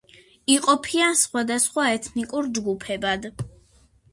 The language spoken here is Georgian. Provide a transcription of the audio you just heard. იყოფიან სხვადასხვა ეთნიკურ ჯგუფებად.